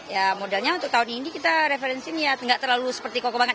ya modalnya untuk tahun ini kita referensi ya nggak terlalu seperti koko banget